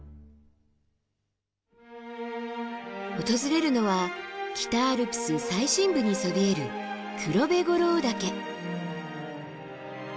訪れるのは北アルプス最深部にそびえる黒部五郎岳。